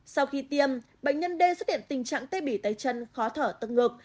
sau khi tiêm bệnh nhân d xuất hiện tình trạng tê bỉ tay chân khó thở tức ngực